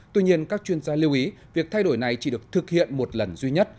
tuy nhiên các chuyên gia lưu ý việc thay đổi này chỉ được thực hiện một lần duy nhất